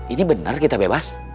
ini bener kita bebas